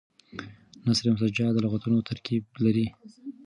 نثر مسجع د لغتونو ترتیب لري.